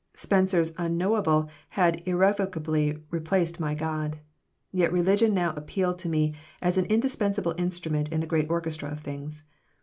Spencer's Unknowable had irrevocably replaced my God. Yet religion now appealed to me as an indispensable instrument in the great orchestra of things.